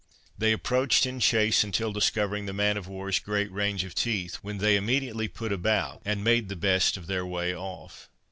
They approached in chase until discovering the man of war's great range of teeth, when they immediately put about, and made the best of their way off.